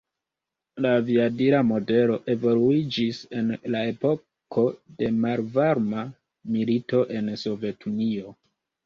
La aviadila modelo evoluiĝis en la epoko de Malvarma Milito en Sovetunio.